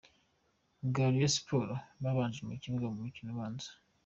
ba Rayon Sports babanje mu kibuga mu mukino ubanza.